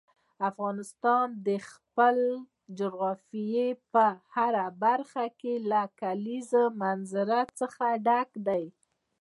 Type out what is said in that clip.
افغانستان د خپلې جغرافیې په هره برخه کې له کلیزو منظره څخه ډک دی.